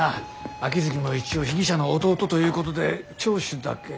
秋月も一応被疑者の弟ということで聴取だけ。